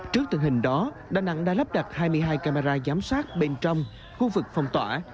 trước tình hình đó đà nẵng đã lắp đặt hai mươi hai camera giám sát bên trong khu vực phòng tỏa